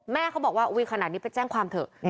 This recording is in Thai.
แม่เขาบอกว่าอุ๊ยขนาดนี้ไปแจ้งความเถอะ